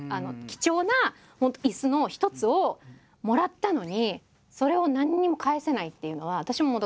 貴重な椅子の一つをもらったのにそれを何にも返せないっていうのは私ももどかしかったし。